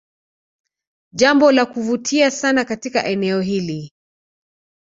Jambo la kuvutia sana katika eneo hili